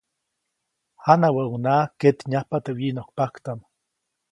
Janawäʼuŋnaʼajk ketnyajpa teʼ wyiʼnokpaktaʼm.